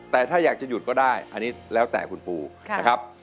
แต่ถ้าอยากจะหยุดก็ได้อันนี้แล้วแต่คุณปูนะครับ